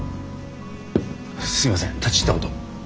すみません立ち入ったことを。